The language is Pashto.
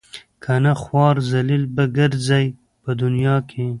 کنه خوار ذلیل به ګرځئ په دنیا کې.